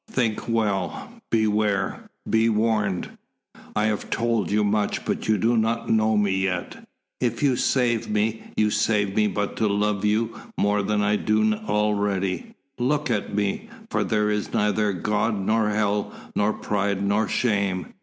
Think well beware be warned. I have told you much, but you do not know me yet. If you save me, you save me but to love you more than I do already. Look at me. For me there is neither God, nor hell, nor pride, nor shame.